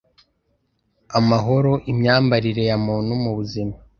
Amahoron imyambarire ya muntu mubuzima